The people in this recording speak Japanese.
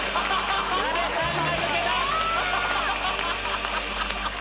矢部さんが抜けた！